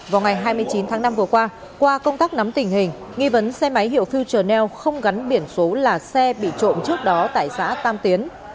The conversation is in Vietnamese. vào ngày hai mươi chín tháng năm vừa qua qua công tác nắm tình hình nghi vấn xe máy hiệu filel không gắn biển số là xe bị trộm trước đó tại xã tam tiến